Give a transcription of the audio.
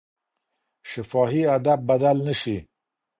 شفاهي ادب بدل نه شي.